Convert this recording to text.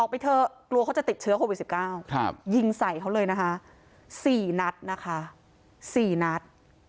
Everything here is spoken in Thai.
ออกไปเถอะกลัวเขาจะติดเชื้อโควิดสิบเก้าครับยิงใสเขาเลยนะคะสี่นัดนะคะสี่นัด